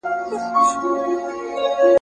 زه ملنګ عبدالرحمن وم